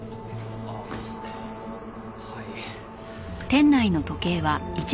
ああはい。